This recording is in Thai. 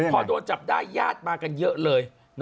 พอโดนจับได้ญาติมากันเยอะเลย